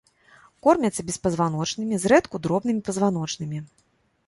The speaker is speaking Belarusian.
Кормяцца беспазваночнымі, зрэдку дробнымі пазваночнымі.